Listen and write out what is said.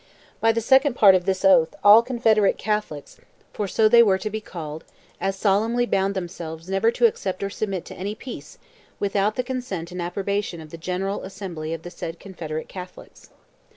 By the second part of this oath all Confederate Catholics—for so they were to be called—as solemnly bound themselves never to accept or submit to any peace "without the consent and approbation of the general assembly of the said Confederate Catholics."